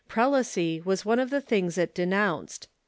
Prelacy was one of the things it denounced.